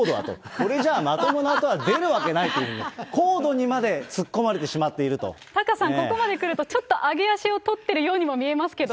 これじゃあ、まともな音は出るわけないというふうに、コードにまタカさん、ここまでくると、ちょっと上げ足を取ってるようにも見えますけど。